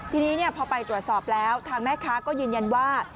ทีนี้พอไปตรวจสอบแล้วทางแม่ค้าก็ยืนยันว่า